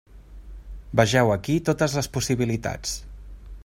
Vegeu aquí totes les possibilitats.